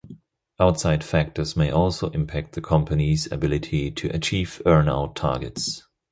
Outside factors may also impact the company's ability to achieve earnout targets.